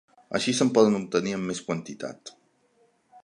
Així se'n poden obtenir en més quantitat.